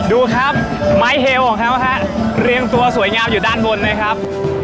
ดูครับไม้เฮลของเขาฮะเรียงตัวสวยงามอยู่ด้านบนเลยครับ